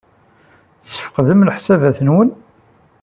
Tesfeqdem leḥsabat-nwen?